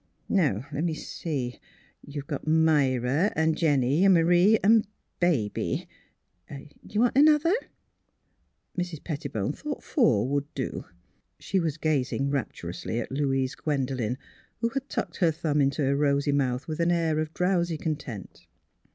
'^ Now, le' me see; you've got Myra an' Jennie an' M'rie an' Baby. Do you want another? " Mrs. Pettibone thought four would do. She was gazing rapturously at Louise Gwendolen, who had tucked her thumb into her rosy mouth with an air of drowsy content.